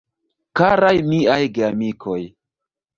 Karaj miaj Geamikoj!